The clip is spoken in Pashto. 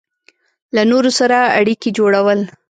له نورو سره اړیکې جوړول